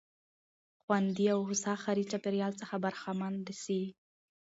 خوندي او هوسا ښاري چاپېريال څخه برخمن سي.